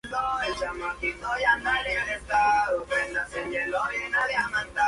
Su capital estaba situada en Kairuán.